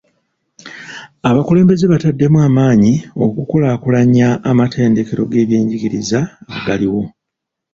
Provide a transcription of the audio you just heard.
Abakulembeze bataddemu amaanyi okukulaakulanya amatendekero g'ebyenjigiriza agaliwo.